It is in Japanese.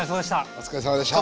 お疲れさまでした。